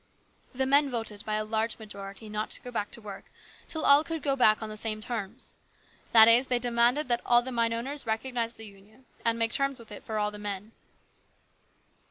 " The men voted by a large majority not to go back to work till all could go back on the same terms. That is, they demanded that all the mine owners recognize the Union and make terms with it for all the men."